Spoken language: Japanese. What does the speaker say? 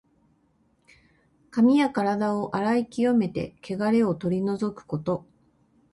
髪やからだを洗い清めて、けがれを取り除くこと。